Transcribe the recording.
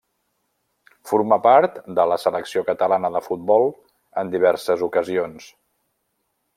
Formà part de la selecció catalana de futbol en diverses ocasions.